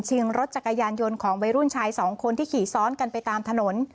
รถจักรยานยนต์ของวัยรุ่นชายสองคนที่ขี่ซ้อนกันไปตามถนน